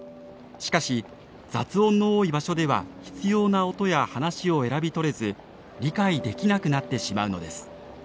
しかし雑音の多い場所では必要な音や話を選び取れず理解できなくなってしまうのです。